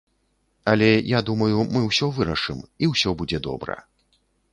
Але я думаю, мы ўсё вырашым, і ўсё будзе добра.